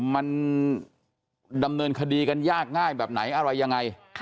มันดำเนินคดีกันยากง่ายแบบไหนอะไรยังไง